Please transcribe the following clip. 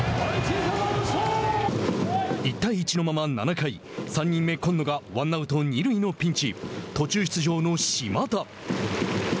１対１のまま７回３人目、今野がワンアウト、二塁のピンチ。